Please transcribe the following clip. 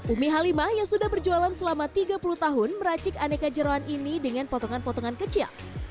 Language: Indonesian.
umi halimah yang sudah berjualan selama tiga puluh tahun meracik aneka jerawan ini dengan potongan potongan kecil